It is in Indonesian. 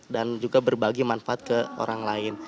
dan juga berbagi manfaat ke orang lain